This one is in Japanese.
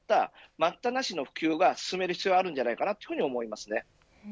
待ったなしの普及を進める必要があると思います。